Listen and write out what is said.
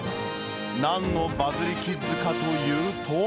なんのバズりキッズかというと。